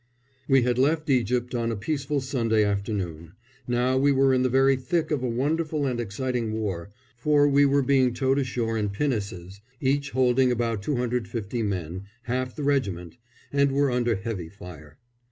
We had left Egypt on a peaceful Sunday afternoon; now we were in the very thick of a wonderful and exciting war, for we were being towed ashore in pinnaces, each holding about 250 men half the regiment and were under heavy fire.